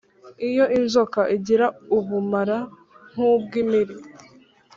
Iyo inzoka igira ubumara nk’ubw’impiri